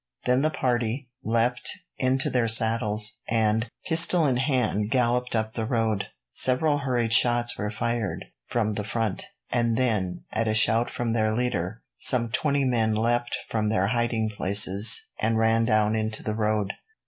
Then the party leapt into their saddles, and, pistol in hand, galloped up the road. Several hurried shots were fired from the front, and then, at a shout from their leader, some twenty men leapt from their hiding places and ran down into the road.